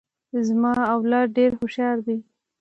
زما اولاد ډیر هوښیار دي.